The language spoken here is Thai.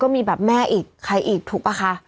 แม่อีกใครอีกถูกป่ะคะ